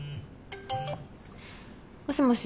もしもし？